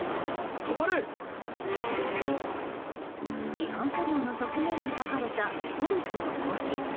違反車両の側面に描かれた「ＰＯＬＩＣＥ」の文字。